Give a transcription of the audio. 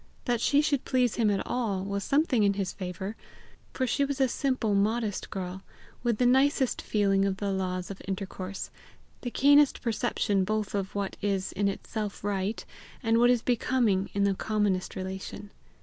That she should please him at all, was something in his favour, for she was a simple, modest girl, with the nicest feeling of the laws of intercourse, the keenest perception both of what is in itself right, and what is becoming in the commonest relation.